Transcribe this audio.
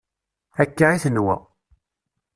Akka i tenwa.